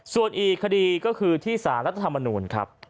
ส่วนอีกคดีก็คือที่สารรัฐธรรมนูลครับ